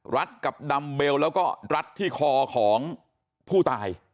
ัดกับดำเบลแล้วก็รัดที่คอของผู้ตาย